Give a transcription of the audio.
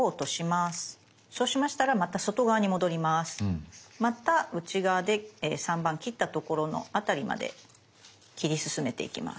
また内側で３番切ったところの辺りまで切り進めていきます。